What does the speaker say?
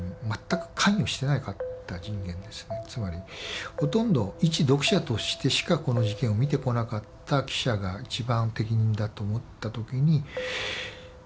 つまりほとんどいち読者としてしかこの事件を見てこなかった記者が一番適任だと思った時にまさにいたわけですね。